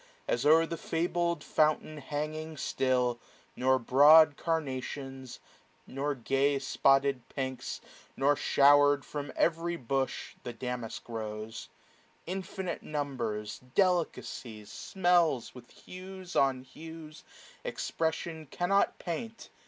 As o'er the fabled fountain 'hanging still ; Nor broad carnations, nor gay spotted pinks ; Nor, shower'd from every bush, the damask rose. Infinite numbers, delicacies, smells, 550 With hues on hues expression cannot paint.